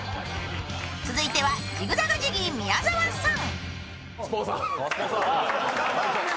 続いてはジグザグジギー、宮澤さん。